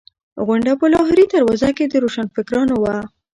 غونډه په لاهوري دروازه کې د روشنفکرانو وه.